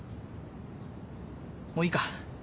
もういいか。